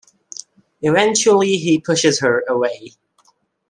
Eventually he pushes her away.